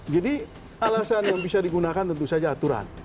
jadi alasan yang bisa digunakan tentu saja aturan